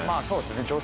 そうすね